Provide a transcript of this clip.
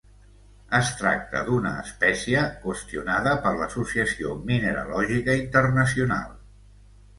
Es tracta d'una espècia qüestionada per l'Associació Mineralògica Internacional.